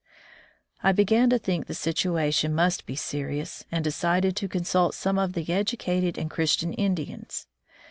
I began to think the situation must be serious, and decided to consult some of the educated and Christian Indians.